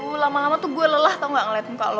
aduh lama lama tuh gue lelah tau gak ngeliat muka lo